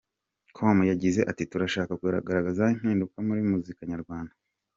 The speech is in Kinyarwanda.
com yagize ati :’’Turashaka kugaragaza impinduka muri muzika nyarwanda’’.